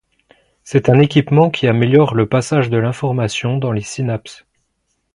C'est un équipement qui améliore le passage de l'information dans les synapses.